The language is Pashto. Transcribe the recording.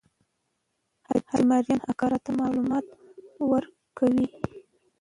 حاجي مریم اکا راته معلومات ورکوي.